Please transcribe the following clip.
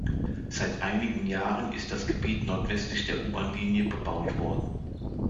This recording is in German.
Seit einigen Jahren ist das Gebiet nordwestlich der U-Bahnlinie bebaut worden.